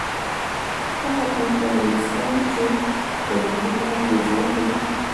هغه امپریالیستان چې اضافي پانګه یې زیاته وي